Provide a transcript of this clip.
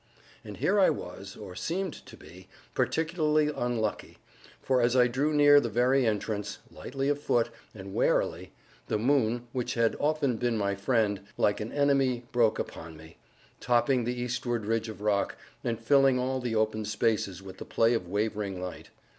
And here I was, or seemed to be, particularly unlucky; for as I drew near the very entrance, lightly of foot, and warily, the moon (which had often been my friend) like an enemy broke upon me, topping the eastward ridge of rock, and filling all the open spaces with the play of wavering light.